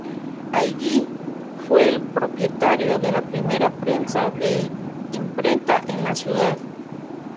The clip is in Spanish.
Allí fue el propietario de la primera prensa de imprenta en la ciudad.